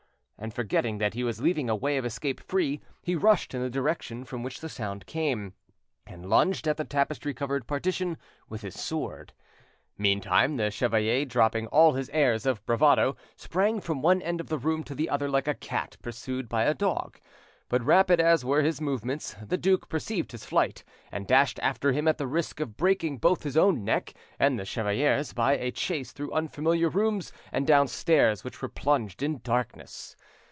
And forgetting that he was leaving a way of escape free, he rushed in the direction from which the sound came, and lunged at the tapestry covered partition with his sword. Meantime the chevalier, dropping all his airs of bravado, sprang from one end of the room to the other like a cat pursued by a dog; but rapid as were his movements, the duke perceived his flight, and dashed after him at the risk of breaking both his own neck and the chevalier's by a chase through unfamiliar rooms and down stairs which were plunged in darkness.